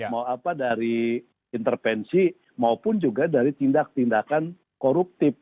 mau apa dari intervensi maupun juga dari tindak tindakan koruptif